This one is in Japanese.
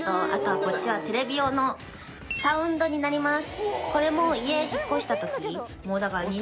あとはこっちはテレビ用のサウンドになります